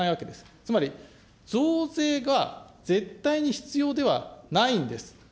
つまり増税が絶対に必要ではないんです。